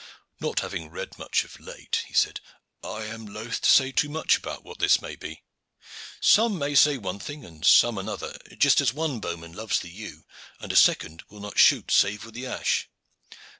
"Not having read much of late," he said, "I am loth to say too much about what this may be. Some might say one thing and some another, just as one bowman loves the yew, and a second will not shoot save with the ash.